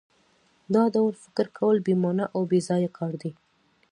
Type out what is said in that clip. دا ډول فکر کول بې مانا او بېځایه کار دی